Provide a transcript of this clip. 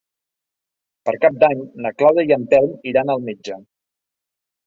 Per Cap d'Any na Clàudia i en Telm iran al metge.